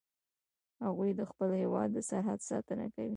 هغوی د خپل هیواد د سرحد ساتنه کوي